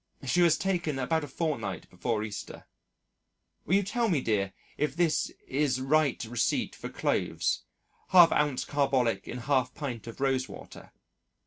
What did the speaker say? She was taken about a fortnight before Easter. Will you tell me dear if this is right receipt for clothes 1/2 oz. carbolic in 1/2 pint of rose water.